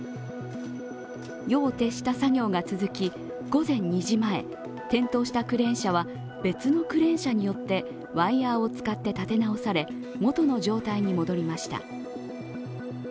夜を徹した作業が続き、午前２時前、転倒したクレーン車は別のクレーン車によってワイヤーを使って立て直され元の状態に戻りました。